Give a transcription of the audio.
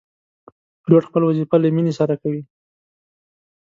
پیلوټ خپل وظیفه له مینې سره کوي.